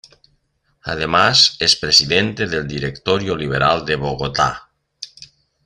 Además es Presidente del Directorio Liberal de Bogotá.